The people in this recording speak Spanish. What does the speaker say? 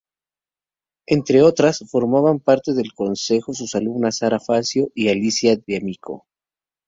Entre otras, formaban parte del consejo sus alumnas Sara Facio y Alicia D'Amico.